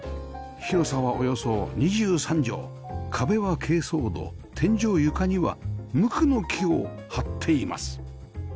広さはおよそ２３畳壁は珪藻土天井床には無垢の木を張っています